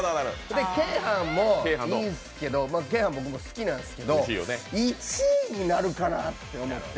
鶏飯もいいんすけど僕も鶏飯好きなんですけど１位になるかなと思って。